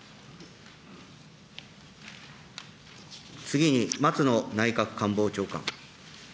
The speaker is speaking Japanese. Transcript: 次に、松野内閣官房長官。